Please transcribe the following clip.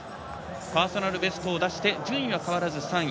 パーソナルベストを出して順位は変わらず３位。